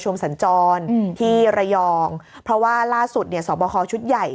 สัญจรที่ระยองเพราะว่าล่าสุดเนี่ยสอบคอชุดใหญ่